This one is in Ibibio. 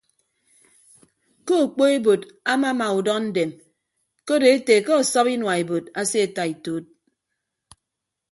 Ke okpoebod amama udọndem ke odo ete ke ọsọp inua ebod aseeta ituud.